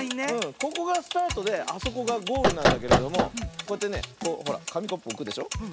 ここがスタートであそこがゴールなんだけれどもこうやってねこうほらかみコップおくでしょ。